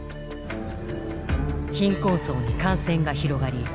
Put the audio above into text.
貧困層に感染が広がり